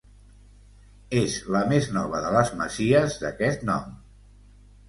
És la més nova de les masies d'aquest nom.